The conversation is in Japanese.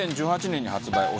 ２０１８年に発売。